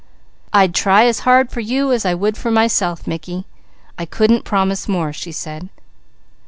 "I'd try as hard for you as I would for myself Mickey; I couldn't promise more," she said.